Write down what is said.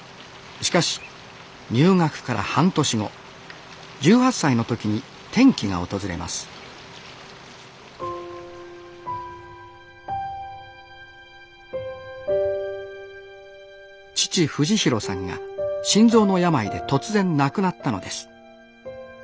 しかし入学から半年後１８歳の時に転機が訪れます父・富士広さんが心臓の病で突然亡くなったのです。